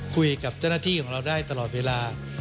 คุยกับเจ้าหน้าที่ของเราได้ตลอดเวลา